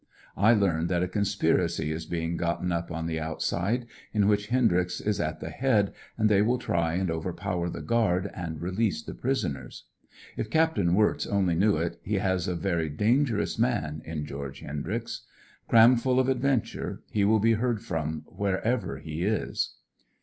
I learn that a conspiracy is being gotten up on the outside, in which Hendryx is at the head, and they will try and overpower the guard and release the prisoners. If Capt. Wirtz only knew it. he has a very danger ous man in George Hendryx. Cram full of adventure, he will be heard from wherever he is.